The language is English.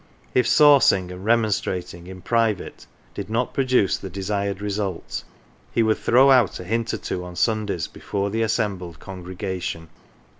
If "saucing," and remonstrating in private did not produce the desired result, he would throw out a hint or two on Sundays before the assembled congregation.